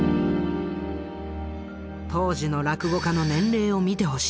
当時の落語家の年齢を見てほしい。